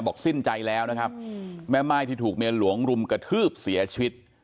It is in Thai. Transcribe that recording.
สิ้นใจแล้วนะครับแม่ม่ายที่ถูกเมียหลวงรุมกระทืบเสียชีวิต